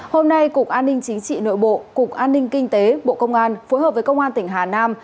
hôm nay cục an ninh chính trị nội bộ cục an ninh kinh tế bộ công an phối hợp với công an tỉnh hà nam